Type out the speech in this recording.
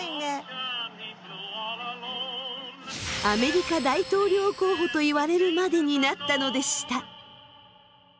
アメリカ大統領候補といわれるまでになったのでした。